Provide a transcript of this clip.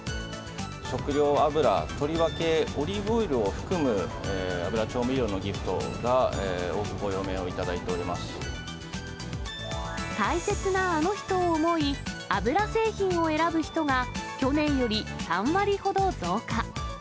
食用油、とりわけオリーブオイルを含む油調味料のギフトが、多くご用命を大切なあの人を思い、油製品を選ぶ人が去年より３割ほど増加。